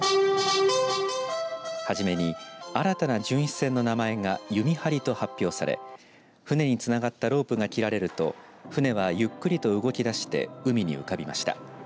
はじめに新たな巡視船の名前がゆみはりと発表され船につながったロープが切られると船はゆっくりと動き出して海に浮かびました。